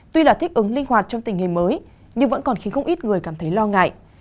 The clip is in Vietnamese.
tuy là thích ứng linh hoạt trong tình hình mới nhưng vẫn còn khiến không ít người cảm thấy lo ngại